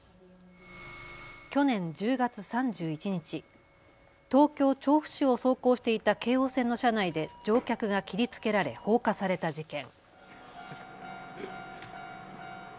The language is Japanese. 去年１０月３１日、東京調布市を走行していた京王線の車内で乗客が切りつけられ放火された事件。